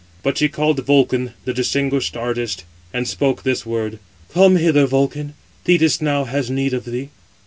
But she called Vulcan, the distinguished artist, and spoke this word: "Come hither, Vulcan, Thetis now has need of thee."